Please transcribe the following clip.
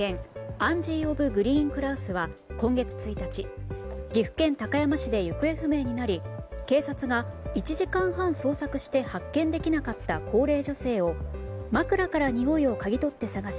アンジーオブグリーンクラウスは今月１日岐阜県高山市で行方不明になり警察が１時間半捜索して発見できなかった高齢女性を枕からにおいをかぎ取って捜し